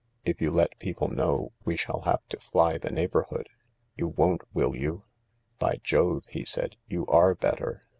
If you let people know, we shall have to fly the neighbourhood. You won't, will you ?" "By Jove," he said, "you are better?"